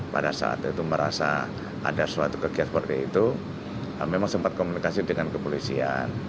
pada saat itu merasa ada suatu kegiatan seperti itu memang sempat komunikasi dengan kepolisian